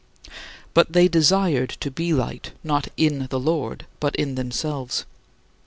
" But they desired to be light, not "in the Lord," but in themselves.